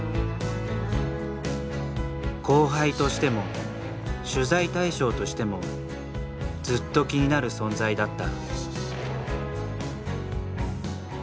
後輩としても取材対象としてもずっと気になる存在だった。